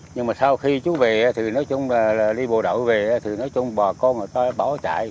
nhưng mà sau khi chú về thì nói chung là đi bộ đội về thì nói chung bà con người ta bỏ chạy